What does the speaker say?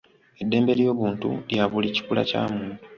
Eddembe ly'obuntu lya buli kikula Kya muntu.